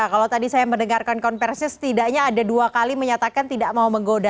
kalau tadi saya mendengarkan konversi setidaknya ada dua kali menyatakan tidak mau menggoda